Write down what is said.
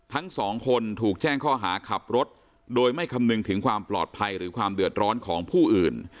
ทั้งสองคนถูกแจ้งข้อหาขับรถโดยไม่คำนึงถึงความปลอดภัยหรือความเดือดร้อนของผู้อื่น